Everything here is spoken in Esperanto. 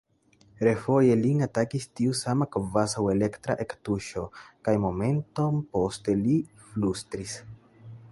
Refoje lin atakis tiu sama kvazaŭ elektra ektuŝo, kaj momenton poste li flustris: